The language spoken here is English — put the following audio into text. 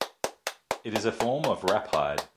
It is a form of raphide.